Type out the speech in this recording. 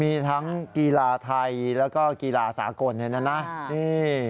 มีทั้งกีฬาไทยแล้วก็กีฬาสากลเนี่ยนะนี่